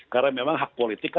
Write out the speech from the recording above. karena memang hak politik